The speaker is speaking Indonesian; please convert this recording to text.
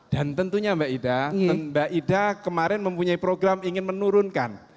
dan tentunya mbak ida mbak ida kemarin mempunyai program ingin menurunkan